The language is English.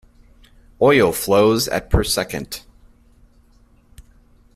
Oil flows at per second.